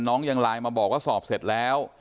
ยังไลน์มาบอกว่าสอบเสร็จแล้ว